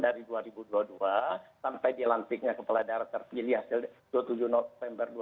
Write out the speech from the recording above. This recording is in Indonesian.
dari dua ribu dua puluh dua sampai dilantiknya kepala daerah terpilih hasil dua puluh tujuh november dua ribu dua puluh